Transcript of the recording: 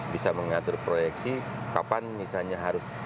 bisa mengatur proyeksi kapan misalnya harus